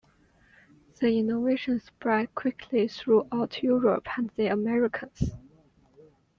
The innovation spread quickly throughout Europe and the Americas.